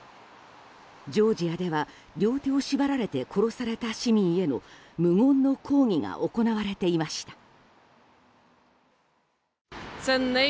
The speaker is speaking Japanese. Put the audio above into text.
ジョージアでは、両手を縛られて殺された市民への無言の抗議が行われていました。